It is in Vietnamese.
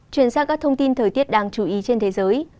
chuyển sang các thông tin thời tiết đáng chú ý trên thế giới